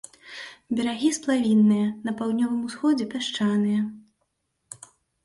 Берагі сплавінныя, на паўднёвым усходзе пясчаныя.